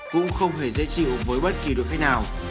cũng không hề dễ chịu với bất kỳ đội khách nào